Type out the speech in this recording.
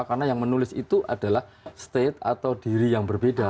karena yang menulis itu adalah state atau diri yang berbeda